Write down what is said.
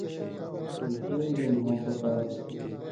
تسِیں علِم ہوں پکار تُھو۔